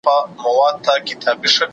که حکومت د هغوی ساتنه ونه کړي جزيه ساقطيږي.